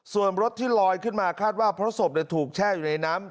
ส่วนรถที่ลอยขึ้นมาคาดว่าเพราะศพถูกแช่อยู่ในน้ำ